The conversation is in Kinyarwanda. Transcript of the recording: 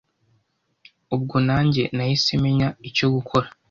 ubwo nanjye nahise menya icyo gukora